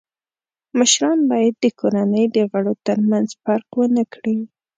مشران باید د کورنۍ د غړو تر منځ فرق و نه کړي.